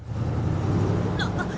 あっ！